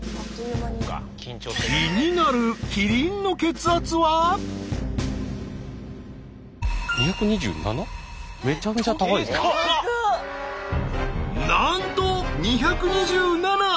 気になるなんと２２７！